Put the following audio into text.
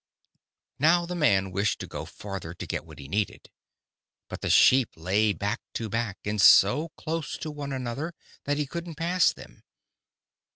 "Now the man wished to go farther, to get what he needed. But the sheep lay back to back and so close to one another that he couldn't pass them.